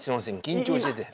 緊張してて。